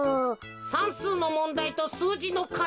さんすうのもんだいとすうじのかぎ。